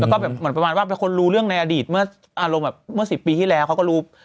แล้วก็แบบเหมือนประมาณว่าเป็นคนรู้เรื่องในอดีตเมื่ออารมณ์แบบเมื่อ๑๐ปีที่แล้วเขาก็รู้